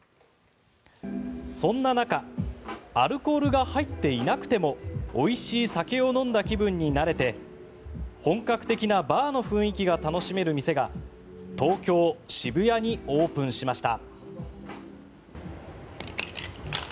そんな中アルコールが入っていなくてもおいしい酒を飲んだ気分になれて本格的なバーの雰囲気が楽しめる店が東京・渋谷にオープンしました。